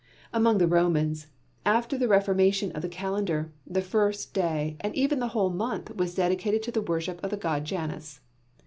Among the Romans, after the reformation of the calendar, the first day, and even the whole month, was dedicated to the worship of the god Janus.